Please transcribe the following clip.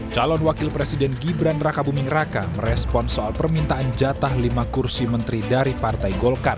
calon wakil presiden gibran raka buming raka merespon soal permintaan jatah lima kursi menteri dari partai golkar